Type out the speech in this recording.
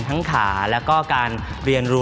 ทั้งขาและก็การเรียนรู้